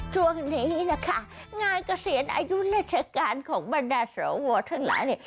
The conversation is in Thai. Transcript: ช่วงนี้นะคะงานเกษียณอายุราชการของบรรดาสวทั้งหลายเนี่ย